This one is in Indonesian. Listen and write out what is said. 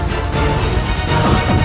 ada penyusup serangga